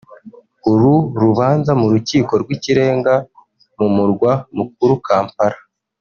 uru rubanza mu Rukiko rw’Ikirenga mu murwa mukuru Kampala